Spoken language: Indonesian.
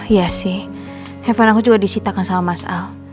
iya sih handphone aku juga disitakan sama mas al